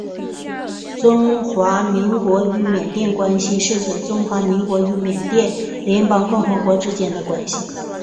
中华民国与缅甸关系是指中华民国与缅甸联邦共和国之间的关系。